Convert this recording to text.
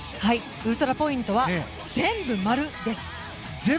ウルトラポイントは全部〇です。